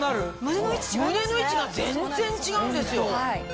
胸の位置が全然違うんですよ。